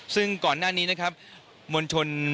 ซึ่งก่อนหน้านี้นะครับมวลชน